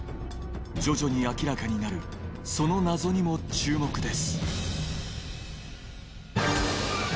徐々に明らかになるその謎にも注目です